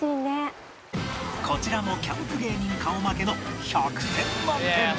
こちらもキャンプ芸人顔負けの１００点満点！